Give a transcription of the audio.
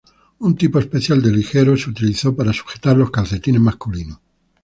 Un tipo especial de liguero se utilizó para sujetar los calcetines masculinos.